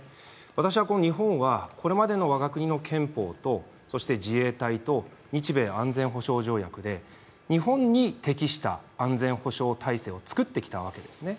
私は日本は、これまでの我が国の憲法とそして自衛隊と日米安全保障条約で日本に適した安全保障体制を作ってきたわけですね。